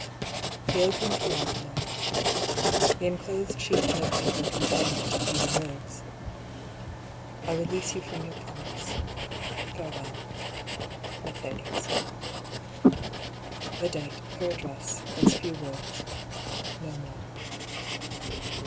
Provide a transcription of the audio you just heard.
He opened the envelope. The enclosed sheet of notepaper contained but a few words :" 1 release you from your promise. Farewell. " Mbbcbdbs." The date ; her address ; those few words. No more.